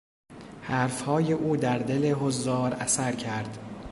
حرفهای او در دل حضار اثر کرد.